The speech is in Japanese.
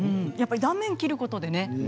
やっぱり断面切ることでね